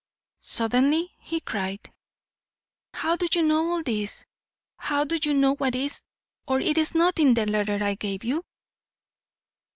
Suddenly he cried: "How do you know all this? How do you know what is or is not in the letter I gave you?"